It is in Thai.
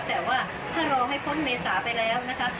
แต่ว่าถ้ารอให้พ้นเมษาไปแล้วนะคะ